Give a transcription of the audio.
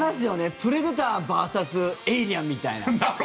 プレデターＶＳエイリアンみたいな。